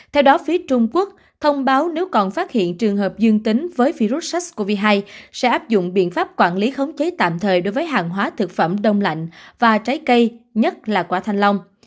theo đó phía trung quốc thông báo nếu còn phát hiện trường hợp dương tính với virus sars cov hai sẽ áp dụng biện pháp quản lý khống chế tạm thời đối với hàng hóa thực phẩm đông lạnh và trái cây nhất là quả thanh long